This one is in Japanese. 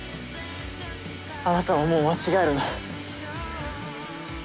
あなたももう間違えるな。